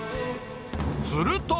すると。